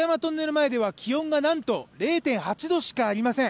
前では気温がなんと０．８度しかありません。